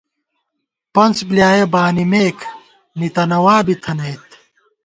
پنَڅ بلیایَہ بانِمېک ، نِتَنَوا بِی تھنَئیت